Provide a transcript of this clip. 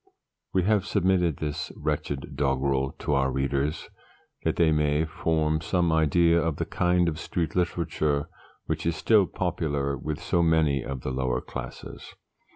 We have submitted this wretched doggrel to our readers, that they may form some idea of the kind of Street Literature which is still popular with so many of the lower classes.